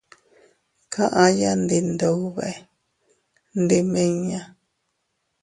Kaʼya ndi Iyndube, ndimiña.